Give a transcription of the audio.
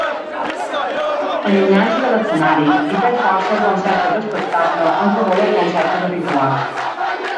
Allunyant-se de l'escenari, hi perd força el concepte d'espectacle en favor del concepte de ritual.